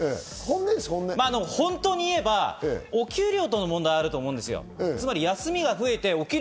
本音を言えばお給料との問題があると思うんですよ。